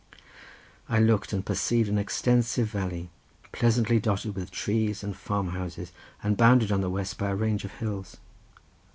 I looked and perceived an extensive valley pleasantly dotted with trees and farm houses, and bounded on the west by a range of hills.